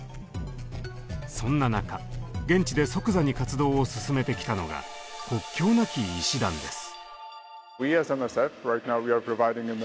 そんな中現地で即座に活動を進めてきたのが国境なき医師団です。